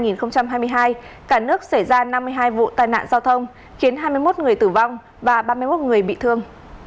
năm hai nghìn hai mươi hai cả nước xảy ra năm mươi hai vụ tai nạn giao thông khiến hai mươi một người tử vong và ba mươi một người bị thương